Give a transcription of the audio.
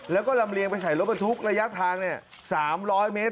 แล้วก็ลำเลียงไปใส่รถบรรทุกระยะทาง๓๐๐เมตร